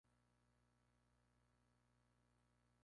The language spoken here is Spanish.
Fue su primer invento importante.